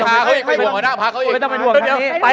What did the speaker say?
คุณจิลายุเขาบอกว่ามันควรทำงานร่วมกัน